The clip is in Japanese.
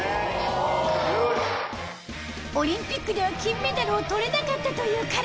オリンピックでは金メダルをとれなかったという彼。